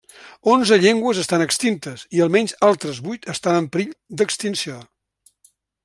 Onze llengües estan extintes i almenys altres vuit estan en perill d'extinció.